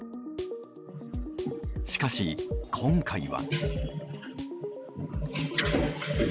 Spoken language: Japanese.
しかし、今回は。